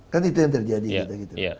kan itu yang terjadi